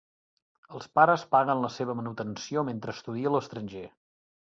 Els pares paguen la seva manutenció mentre estudia a l'estranger.